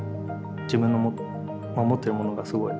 自分の持ってるものがすごい